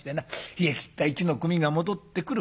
冷えきった一の組が戻ってくる。